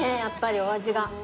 やっぱりお味が。